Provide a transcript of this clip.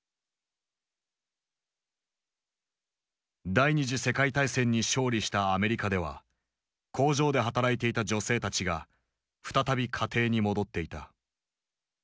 第二次世界大戦に勝利したアメリカでは工場で働いていた女性たちが再び家庭に戻っていた。